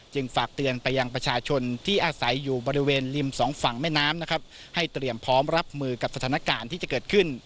ฝากเตือนไปยังประชาชนที่อาศัยอยู่บริเวณริมสองฝั่งแม่น้ำนะครับให้เตรียมพร้อมรับมือกับสถานการณ์ที่จะเกิดขึ้น